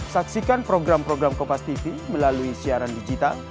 saksikan program program kopas tv melalui siaran digital